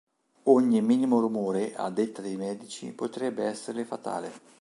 Ogni minimo rumore, a detta dei medici, potrebbe esserle fatale.